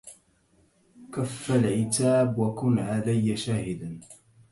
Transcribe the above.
كف العتاب وكن علي شهيدا